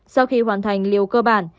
sau khi hoàn thành liều cơ bản